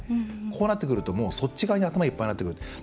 こうなってくると、そっち側に頭いっぱいになってくる。